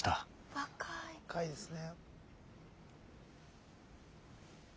若いですね。